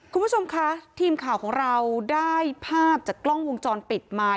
คุณผู้ชมคะทีมข่าวของเราได้ภาพจากกล้องวงจรปิดมา